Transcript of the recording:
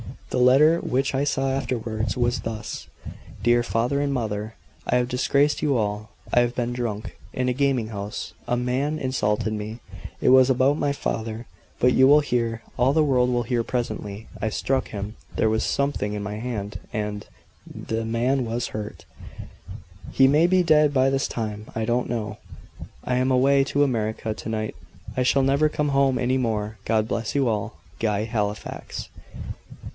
The letter, which I saw afterwards, was thus: "DEAR FATHER AND MOTHER, "I have disgraced you all. I have been drunk in a gaming house. A man insulted me it was about my father but you will hear all the world will hear presently. I struck him there was something in my hand, and the man was hurt. "He may be dead by this time. I don't know. "I am away to America to night. I shall never come home any more. God bless you all. "GUY HALIFAX.